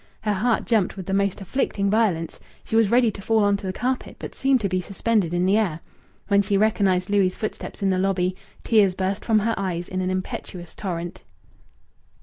Her heart jumped with the most afflicting violence. She was ready to fall on to the carpet, but seemed to be suspended in the air. When she recognized Louis' footsteps in the lobby tears burst from her eyes in an impetuous torrent.